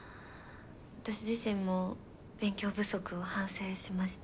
私自身も勉強不足を反省しました。